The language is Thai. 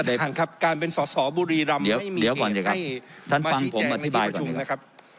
เดี๋ยวก่อนเจอครับ